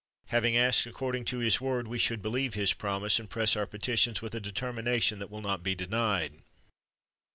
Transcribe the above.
Having asked according to His word, we should believe His promise, and press our petitions with a determination that will not be denied.